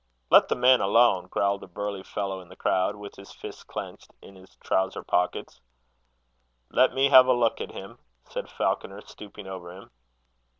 "Let the man alone," growled a burly fellow in the crowd, with his fists clenched in his trowser pockets. "Let me have a look at him," said Falconer, stooping over him.